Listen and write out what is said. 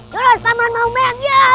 terus taman mau mew